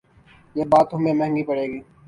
یہ بات تمہیں مہنگی پڑے گی